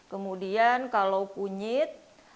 kemudian kalau kunyit